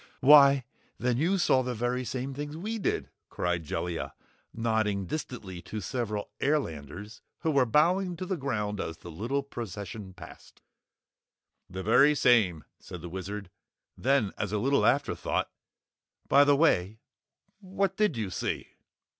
"Why, then you saw the very same things we did," cried Jellia, nodding distantly to several airlanders who were bowing to the ground as the little procession passed. "The very same," said the Wizard. Then, as a little afterthought "By the way, what did you see?"